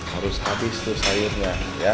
harus habis tuh sayurnya